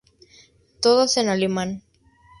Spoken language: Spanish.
Todas en alemán.